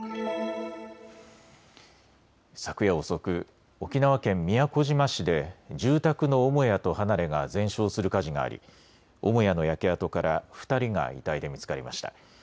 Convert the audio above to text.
昨夜遅く沖縄県宮古島市で住宅の母屋と離れが全焼する火事があり母屋の焼け跡から２人が遺体で見つかりました。